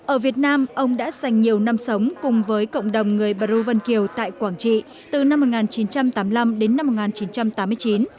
ở việt nam ông đã dành nhiều năm sống cùng với cộng đồng người bru vân kiều tại quảng trị từ năm một nghìn chín trăm tám mươi năm đến năm một nghìn chín trăm tám mươi chín